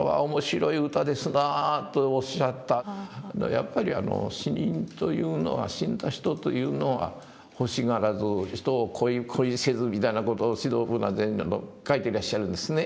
やっぱり死人というのは死んだ人というのは欲しがらず人を恋せずみたいな事を至道無難禅師も書いていらっしゃるんですね。